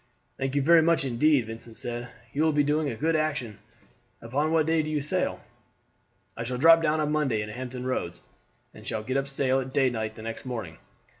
"Thank you very much indeed," Vincent said; "you will be doing a good action. Upon what day do you sail?" "I shall drop down on Monday into Hampton Roads, and shall get up sail at daylight next morning.